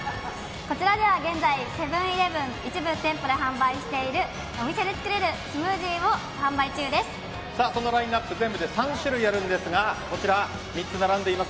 こちらでは現在セブン‐イレブンの一部店舗で販売しているお店で作れるスムージーをそのラインアップ全部で３種類が並んでいます。